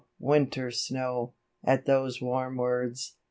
Winter Snow \ At those warm words